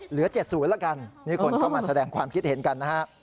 เหลือ๗๐แล้วกันนี่คนเข้ามาแสดงความคิดเห็นกันนะฮะ